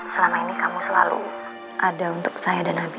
selama ini kamu selalu ada untuk saya dan nabi